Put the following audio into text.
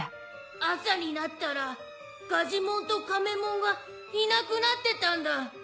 朝になったらガジモンとカメモンがいなくなってたんだ。